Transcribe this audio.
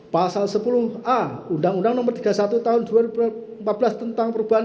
pasal sepuluh a undang undang no tiga puluh satu tahun dua ribu empat belas tentang perubahan